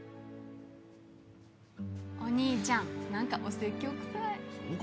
お兄ちゃん何かお説教くさいそうか？